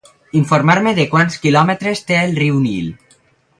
Informar-me de quants quilòmetres té el riu Nil.